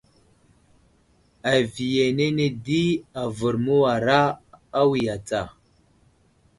Aviyenene di avər məwara awiya tsa.